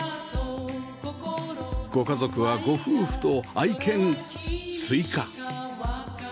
ご家族はご夫婦と愛犬すいか